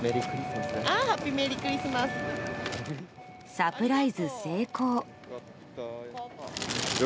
サプライズ成功。